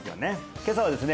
今朝はですね